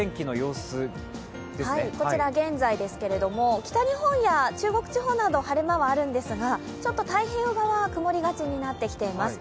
こちら現在ですけれども、北日本や中国地方など晴れ間はあるんですがちょっと太平洋側は曇りがちになってきます。